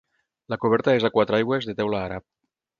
La coberta és a quatre aigües de teula àrab.